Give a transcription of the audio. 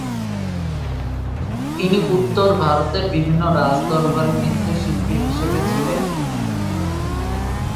তিনি উত্তর ভারতের বিভিন্ন রাজদরবারের নৃত্যশিল্পী হিসেবে ছিলেন।